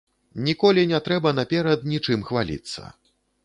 Ніколі не трэба наперад нічым хваліцца.